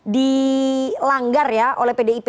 dilanggar ya oleh pdip